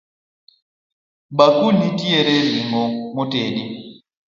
Bakul ni nitie gi ring'o motedi